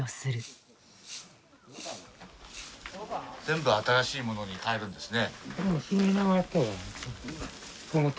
全部新しいものに替えるんですね。